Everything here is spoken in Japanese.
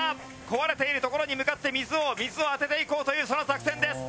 壊れているところに向かって水を水を当てていこうというその作戦です。